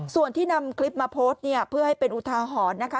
ส่วนที่นำคลิปมาโพสต์เนี่ยเพื่อให้เป็นอุทาหรณ์นะคะ